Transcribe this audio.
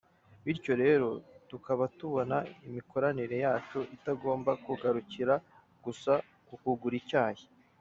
Bityo rero tukaba tubona imikoranire yacu itagomba kugarukira gusa ku kugura icyayi